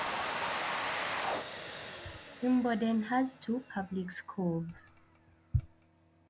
Imboden has two public schools.